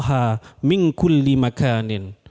dari segala makanan